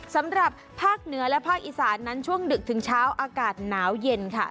สำหรับภาคเหนือและภาคอีสานนั้นช่วงดึกถึงเช้าอากาศหนาวเย็นค่ะ